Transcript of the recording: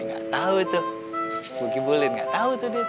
dia gak tau tuh bukibulin gak tau tuh dia tuh